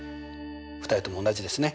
２人とも同じですね。